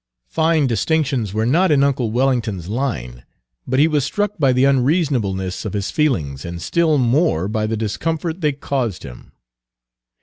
Fine distinctions were not in uncle Wellington's line, but he was struck by the unreasonableness of his feelings, and still more by the discomfort they caused him.